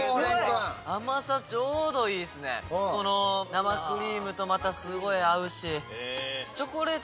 生クリームとまたすごい合うし。